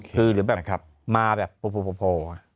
คือหรือแบบมาแบบโพโพโพโพ